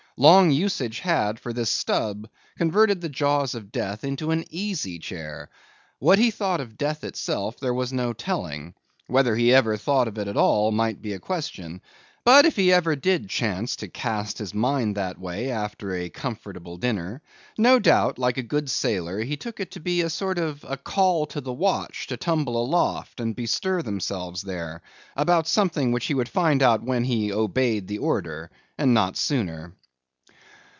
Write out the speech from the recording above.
Long usage had, for this Stubb, converted the jaws of death into an easy chair. What he thought of death itself, there is no telling. Whether he ever thought of it at all, might be a question; but, if he ever did chance to cast his mind that way after a comfortable dinner, no doubt, like a good sailor, he took it to be a sort of call of the watch to tumble aloft, and bestir themselves there, about something which he would find out when he obeyed the order, and not sooner.